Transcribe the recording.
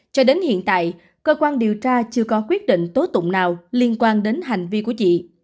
cho đến hiện tại cơ quan điều tra chưa có quyết định tố tụng nào liên quan đến hành vi của chị